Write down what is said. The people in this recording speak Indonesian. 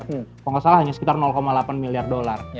kalau nggak salah hanya sekitar delapan miliar dolar